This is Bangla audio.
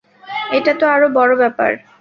এটা তো আরো বড় ব্যপার!